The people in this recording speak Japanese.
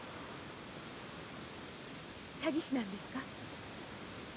詐欺師なんですか？